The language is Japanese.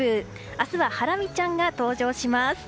明日はハラミちゃんが登場します。